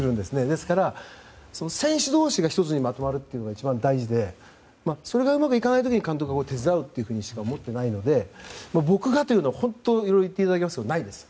ですから選手同士が１つにまとまるのが一番大事でそれがうまくいかない時に監督が手伝うというふうにしか思ってないので僕がということは本当にそれはないです。